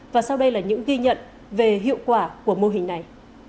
và sau đây là những ghi nhận về hiệu quả của mô hình này